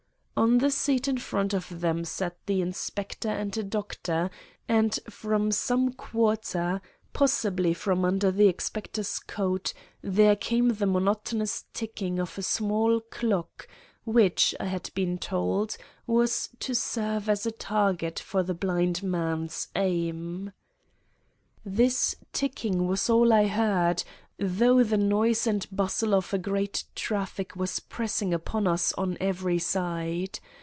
On the seat in front of them sat the Inspector and a doctor, and from some quarter, possibly from under the Inspector's coat, there came the monotonous ticking of a small clock, which, I had been told, was to serve as a target for the blind man's aim. This ticking was all I heard, though the noise and bustle of a great traffic was pressing upon us on every side.